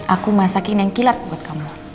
aku masakin yang kilat buat kamu